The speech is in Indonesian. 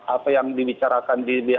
apa yang dibicarakan di